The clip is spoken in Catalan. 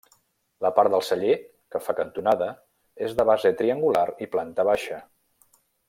La part del celler, que fa cantonada, és de base triangular i planta baixa.